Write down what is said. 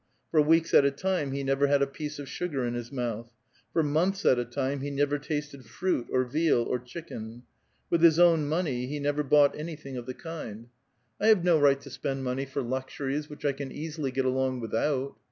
Foir weeks at a time he never had a piece oF sugar in his mouth ^ for months at a time he never tasted fruit, or venl, or chicken . With his own money he never bought anything of the kind« 1 Khozyd'ka. A VITAL QUESTIO'N, 2T9 •*I liave no right to spend money for luxuries which I can easily get aloiig without."